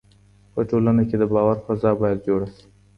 په ټولنه کي د باور فضا باید جوړه سي.